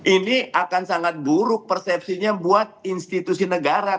ini akan sangat buruk persepsinya buat institusi negara